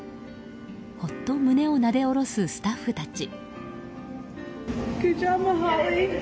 ほっと胸をなで下ろすスタッフたち。